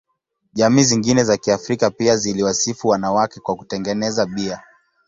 Jamii zingine za Kiafrika pia ziliwasifu wanawake kwa kutengeneza bia.